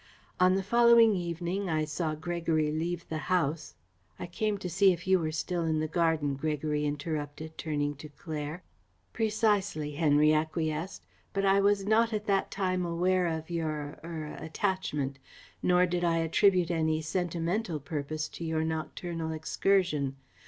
On the following evening I saw Gregory leave the house " "I came to see if you were still in the garden," Gregory interrupted, turning to Claire. "Precisely," Henry acquiesced, "but I was not at that time aware of your er attachment, nor did I attribute any sentimental purpose to your nocturnal excursion.